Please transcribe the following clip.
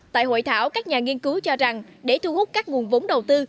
tại hội thảo các nhà nghiên cứu cho rằng để thu hút các nguồn vốn đầu tư